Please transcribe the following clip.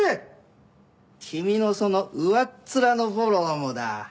君のその上っ面のフォローもだ。